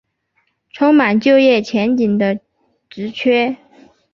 充满就业前景的职缺